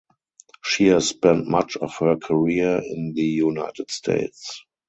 She has spent much of her career in the United States.